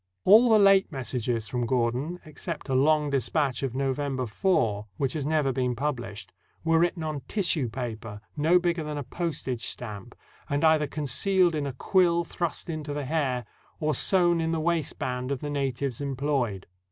All the late messages from Gordon, except a long dis patch of November 4, which has never been published, were written on tissue paper no bigger than a postage stamp, and either concealed in a quill thrust into the hair, or sewn in the waistband of the natives employed.